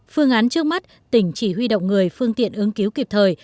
phương án trước mắt tỉnh chỉ huy động người phương tiện ứng cứu kịp thời